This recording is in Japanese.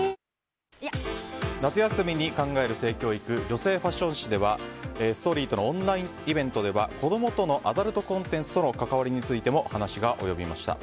女性ファッション誌「ＳＴＯＲＹ」とのオンラインイベントでは子供とのアダルトコンテンツとの関わりについても話が及びました。